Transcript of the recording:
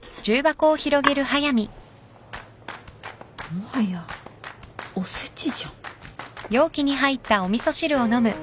もはやお節じゃん。